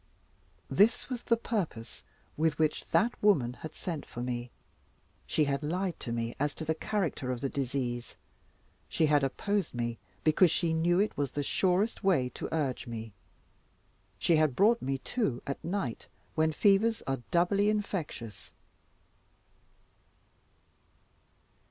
This was the purpose with which that woman had sent for me. She had lied to me as to the character of the disease. She had opposed me, because she knew it the surest way to urge me. She had brought me too at night, when fevers are doubly infectious.